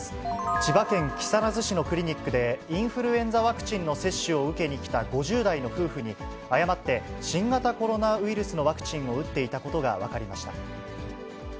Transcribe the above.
千葉県木更津市のクリニックで、インフルエンザワクチンの接種を受けに来た５０代の夫婦に、誤って新型コロナウイルスのワクチンを打っていたことが分かりました。